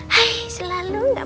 hai selalu gak mau ngaku